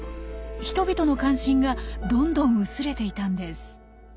人々の関心がどんどん薄れていたんです。